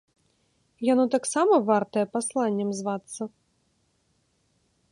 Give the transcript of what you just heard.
Яно таксама вартае пасланнем звацца?